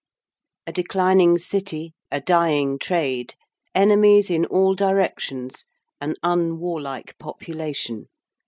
_)] A declining city, a dying trade, enemies in all directions, an unwarlike population.